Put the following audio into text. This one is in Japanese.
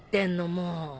もう。